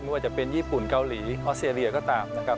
ว่าจะเป็นญี่ปุ่นเกาหลีออสเตรเลียก็ตามนะครับ